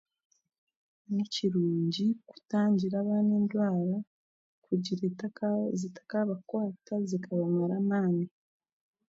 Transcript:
Ni kirungi kutangira abaana endwara, nikireka zitaabakwata zikabamara amaani.